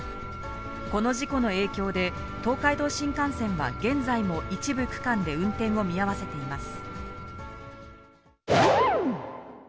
この事故の影響で、東海道新幹線は現在も一部区間で運転を見合わせています。